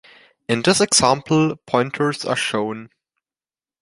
In this example, pointers are shown.